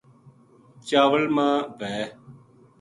چاول ما وھے